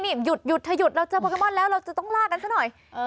นี่หยุดเราเจอโปเกมอนแล้วเราจะต้องลากันซักหน่อย